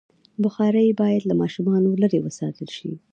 بخاري باید له ماشومانو لرې وساتل شي.